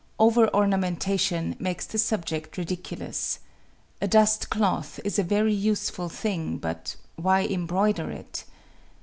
Over ornamentation makes the subject ridiculous. A dust cloth is a very useful thing, but why embroider it?